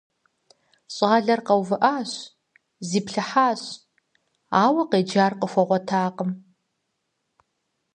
Щӏалэр къэувыӀащ, зиплъыхьащ, ауэ къеджар къыхуэгъуэтакъым.